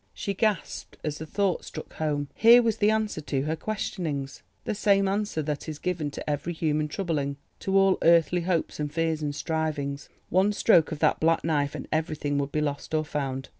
She gasped as the thought struck home. Here was the answer to her questionings, the same answer that is given to every human troubling, to all earthly hopes and fears and strivings. One stroke of that black knife and everything would be lost or found.